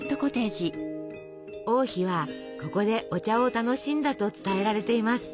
王妃はここでお茶を楽しんだと伝えられています。